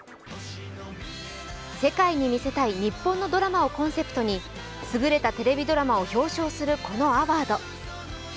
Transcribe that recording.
世界に見せたい日本のドラマをコンセプトに優れたテレビドラマを表彰するこのアワード。